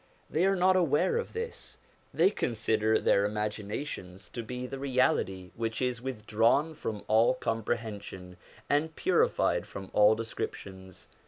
They are not aware of this ; they consider their imaginations to be the Reality which is withdrawn from all comprehen sion, and purified from all descriptions.